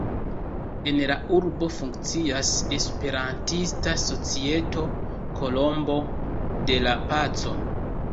En la urbo funkcias Esperantista societo "Kolombo de la paco".